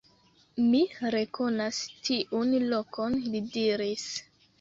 Mi rekonas tiun lokon, li diris.